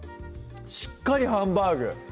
しっかりハンバーグ